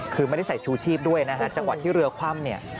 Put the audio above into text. คือไม่ได้ใส่ชูชีพด้วยนะฮะจังหวะที่เรือคว่ำเนี่ย